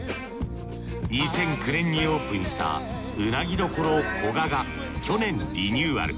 ２００９年にオープンしたうなぎ処古賀が去年リニューアル。